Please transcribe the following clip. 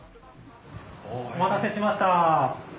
お待たせしました。